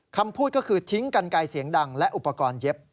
คำพูดก็คือทิ้งกันไกลเสียงดังและอุปกรณ์เย็บ